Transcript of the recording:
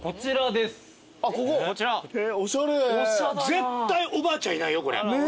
絶対おばあちゃんいないよこれ。